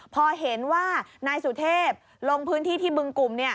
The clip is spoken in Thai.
พอเห็นว่านายสุเทพลงพื้นที่ที่บึงกลุ่ม